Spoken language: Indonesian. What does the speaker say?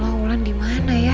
ya allah wulan dia dimana ya